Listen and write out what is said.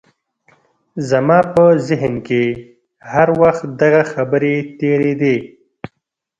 زما په ذهن کې هر وخت دغه خبرې تېرېدې.